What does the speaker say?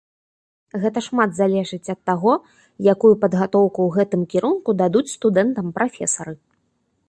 Гэта шмат залежыць ад таго, якую падгатоўку ў гэтым кірунку дадуць студэнтам прафесары.